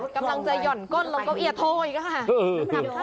กำลังจะหย่อนก้นลงเก้าอี้โทรอีกค่ะ